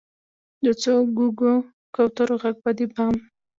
د څو ګوګو، کوترو ږغ به د بام،